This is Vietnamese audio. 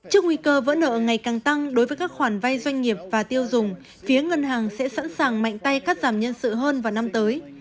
trước nguy cơ vỡ nợ ngày càng tăng đối với các khoản vay doanh nghiệp và tiêu dùng phía ngân hàng sẽ sẵn sàng mạnh tay cắt giảm nhân sự hơn vào năm tới